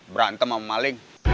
berantem sama maling